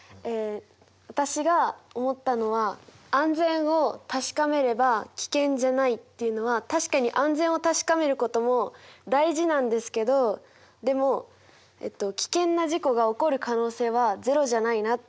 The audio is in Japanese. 私が思ったのは安全を確かめれば危険じゃないっていうのは確かに安全を確かめることも大事なんですけどでも危険な事故が起こる可能性はゼロじゃないなって思って例えば。